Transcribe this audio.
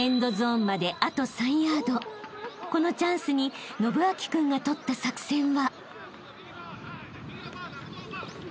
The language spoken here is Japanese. ［このチャンスに伸光君がとった作戦は］